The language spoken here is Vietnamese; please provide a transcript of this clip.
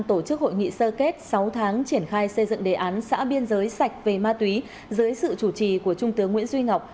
sáu tháng triển khai xây dựng đề án xã biên giới sạch về ma túy dưới sự chủ trì của trung tướng nguyễn duy ngọc